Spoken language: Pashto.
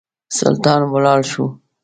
سلطان ولاړ شو.